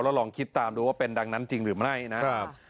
แล้วลองคิดตามแต่ว่าเป็นดังนั้นจริงหรือไม่ไง